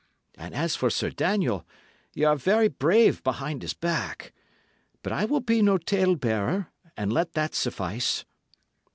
And as for Sir Daniel, y' are very brave behind his back. But I will be no tale bearer; and let that suffice."